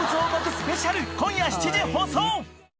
スペシャル今夜７時放送！